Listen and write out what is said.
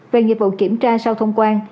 về nghiệp vụ kiểm tra sau thông quan